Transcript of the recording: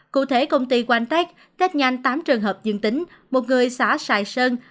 cụ thể công ty one tech test nhanh tám trường hợp dương tính một người xã sài sơn